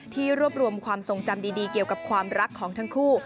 ที่รวบรวมความทรงจำดีเกี่ยวกับความรักของทั้งคู่